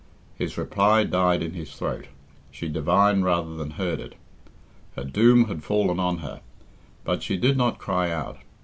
His reply died in his throat. She divined rather than heard it. Her doom had fallen on her, but she did not cry out.